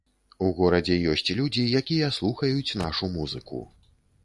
У горадзе ёсць людзі, якія слухаюць нашу музыку.